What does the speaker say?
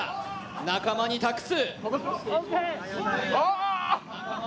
仲間に託す。